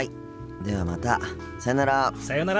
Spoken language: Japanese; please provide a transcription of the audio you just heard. ではまたさよなら。